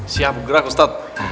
siap gerak ustadz